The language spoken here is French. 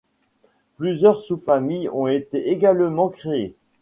Plusieurs sous-familles ont été également créées.